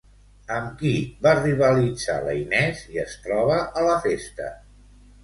Amb qui va rivalitzar la Inés i es troba a la festa?